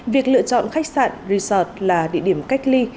việc lựa chọn khách sạn resort là địa điểm cách ly